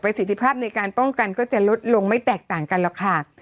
สิทธิภาพในการป้องกันก็จะลดลงไม่แตกต่างกันหรอกค่ะ